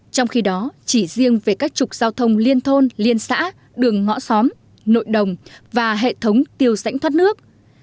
trong khi đó chỉ riêng về các trục giao thông liên thôn liên xã đường ngõ xóm nội đồng và hệ thống tiêu rãnh thoát nước